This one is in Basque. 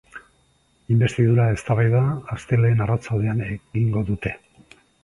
Inbestidura eztabaida astelehen arratsaldean egingo dute.